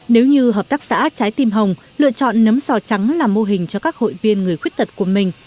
nếu như hợp tác xã trái tim hồng lựa chọn nấm sò trắng làm mô hình cho các hội viên người khuyết tật của mình